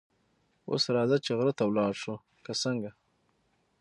اوس راځه چې غره ته ولاړ شو، که څنګه؟